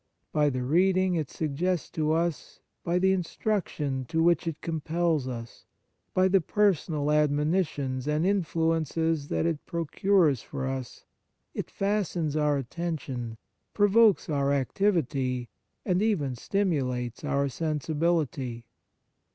By the reading it suggests to us, by the instruction to which it compels us, by the personal admonitions and influences that it procures for us, it fastens our attention, provokes our activity, and even stimulates our sensibility.